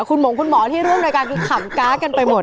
คุณหมงคุณหมอที่ร่วมรายการคือขำก๊ากันไปหมด